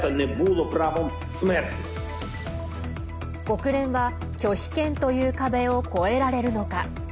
国連は、拒否権という壁を越えられるのか。